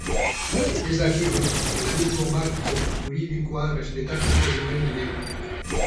Ez dakigu egungo marko juridikoa errespetatuko duen ere.